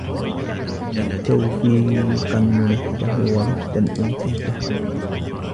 تَوْفِيقًا مُنِحْتَهُ وَرُشْدًا أُوتِيتَهُ